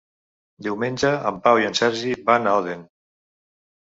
Diumenge en Pau i en Sergi van a Odèn.